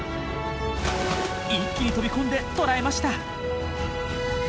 一気に飛び込んで捕らえました！